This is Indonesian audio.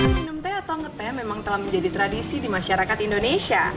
minum teh atau ngeteh memang telah menjadi tradisi di masyarakat indonesia